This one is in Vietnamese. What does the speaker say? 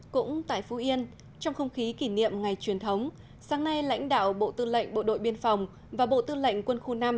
cũng tại phú yên trong không khí kỷ niệm ngày truyền thống sáng nay lãnh đạo bộ tư lệnh bộ đội biên phòng và bộ tư lệnh quân khu năm